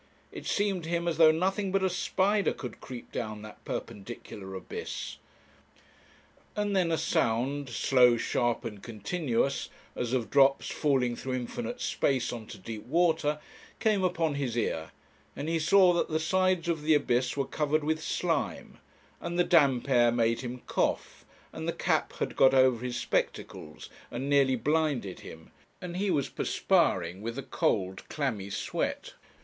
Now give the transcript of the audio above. It seemed to him as though nothing but a spider could creep down that perpendicular abyss. And then a sound, slow, sharp, and continuous, as of drops falling through infinite space on to deep water, came upon his ear; and he saw that the sides of the abyss were covered with slime; and the damp air made him cough, and the cap had got over his spectacles and nearly blinded him; and he was perspiring with a cold, clammy sweat.